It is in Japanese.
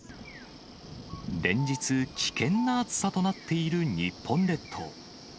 連日、危険な暑さとなっている日本列島。